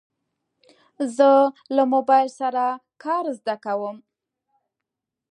زه له موبایل سره کار زده کوم.